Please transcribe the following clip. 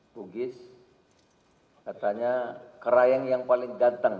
bugis katanya kerayang yang paling ganteng